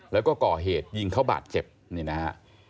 แล้วก็ก่อเหตุยิงเขาบาดเจ็บนี่นะฮะ